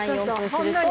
本当に。